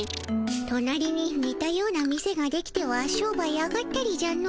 となりににたような店ができては商売上がったりじゃの。